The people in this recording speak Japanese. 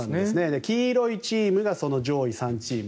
黄色いチームがその上位３チーム。